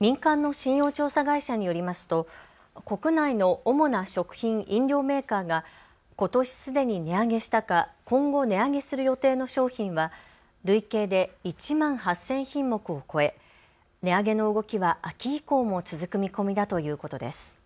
民間の信用調査会社によりますと国内の主な食品・飲料メーカーがことしすでに値上げしたか今後、値上げする予定の商品は累計で１万８０００品目を超え値上げの動きは秋以降も続く見込みだということです。